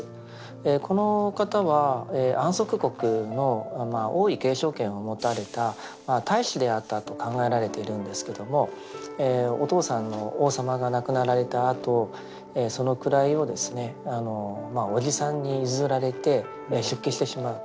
この方は安息国の王位継承権を持たれた太子であったと考えられているんですけどもお父さんの王様が亡くなられたあとその位をですねおじさんに譲られて出家してしまうと。